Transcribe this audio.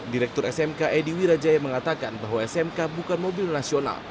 direktur smk edi wirajaya mengatakan bahwa smk bukan mobil nasional